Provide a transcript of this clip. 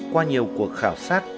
qua nhiều cuộc khảo sát